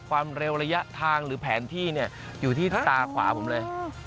ความเร็วระยะทางหรือแผนที่เนี่ยอยู่ที่ตาขวาผมเลย